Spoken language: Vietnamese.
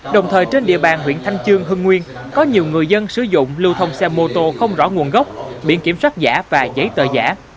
đồng thời trên địa bàn huyện thanh trương hưng nguyên có nhiều người dân sử dụng lưu thông xe mô tô không rõ nguồn gốc biển kiểm soát giả và giấy tờ giả